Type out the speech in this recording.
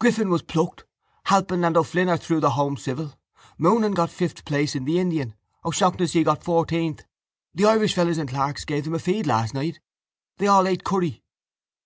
Griffin was plucked. Halpin and O'Flynn are through the home civil. Moonan got fifth place in the Indian. O'Shaughnessy got fourteenth. The Irish fellows in Clark's gave them a feed last night. They all ate curry.